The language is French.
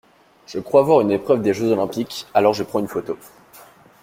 Je crois voir une épreuve des jeux olympiques, alors je prends une photo.